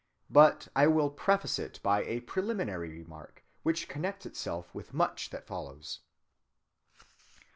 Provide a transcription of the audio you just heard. But I will preface it by a preliminary remark which connects itself with much that follows.